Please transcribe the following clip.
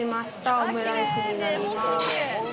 オムライスになります。